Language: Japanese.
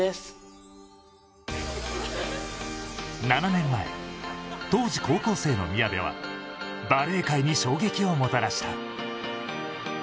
７年前、当時高校生の宮部はバレー界に衝撃をもたらした。